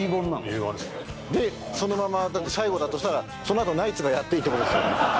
結言ですねでそのまま最後だとしたらそのあとナイツがやっていいってことですよね？